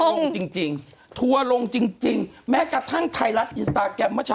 ทัวลงจริงทัวลงจริงแม้กระทั่งไทยรัฐอินสตาแกรม